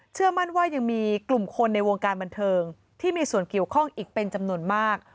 เชื่อมั่นว่ายังมีกลุ่มคนในวงการบันเทิงที่มีส่วนเกี่ยวข้องอีกเป็นจำนวนมาก